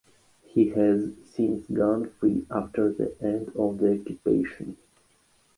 He has since gone free after the end of the Occupation.